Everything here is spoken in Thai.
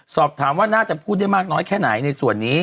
สอบถามว่าน่าจะพูดได้มากน้อยแค่ไหนในส่วนนี้